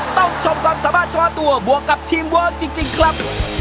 ต้องชมความสามารถเฉพาะตัวบวกกับทีมเวิร์คจริงครับ